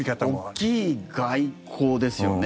大きい外交ですよね。